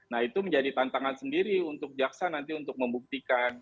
nah itu menjadi tantangan sendiri untuk jaksa nanti untuk membuktikan